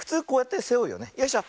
よいしょ。